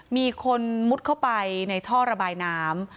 มีคนมุดเข้าไปในท่อระบายน้ำ